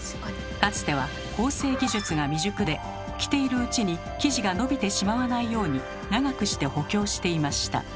かつては縫製技術が未熟で着ているうちに生地が伸びてしまわないように長くして補強していました。